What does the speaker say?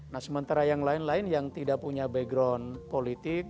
nah sementara yang lain lain yang tidak punya background politik